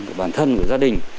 của bản thân của gia đình